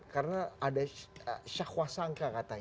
karena ada syahwasangka katanya